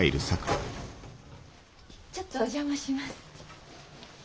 ちょっとお邪魔します。